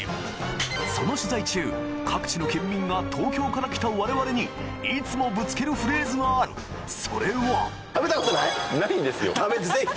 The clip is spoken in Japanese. その取材中各地の県民が東京から来た我々にいつもぶつけるフレーズがあるそれはないですよ。